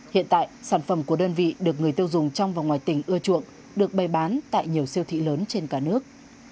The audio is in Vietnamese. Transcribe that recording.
hiện tại sản phẩm của đơn vị được người tiêu dùng trong và ngoài tỉnh ưa chuộng được bày bán tại nhiều siêu thị lớn trên cả nước